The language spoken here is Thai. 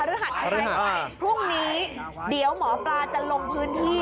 ฮรือหัดฮรือหัดพรุ่งนี้เดี๋ยวหมอปลาจะลงพื้นที่